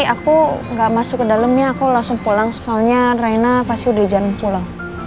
tapi aku gak masuk ke dalem ya aku langsung pulang soalnya rhena pasti udah jalan pulang